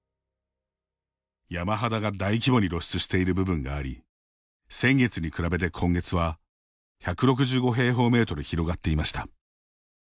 山肌が大規模に露出している部分があり、先月に比べて今月は１６５平方メートル広がっていました。